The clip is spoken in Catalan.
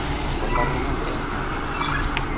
Quan va romandre al càrrec?